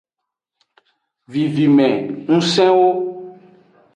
Vivimengusenwo.